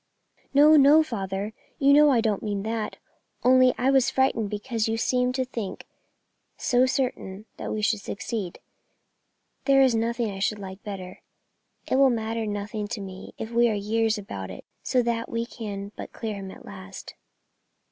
"No, no, father, you know I don't mean that, only I was frightened because you seemed to think it so certain we should succeed. There is nothing I should like better; it will matter nothing to me if we are years about it so that we can but clear him at last."